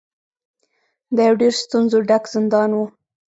دا یو ډیر ستونزو ډک زندان و.